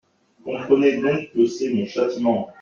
«Comprenez donc que c’est mon châtiment.